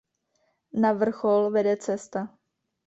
Na vrchol vede cesta.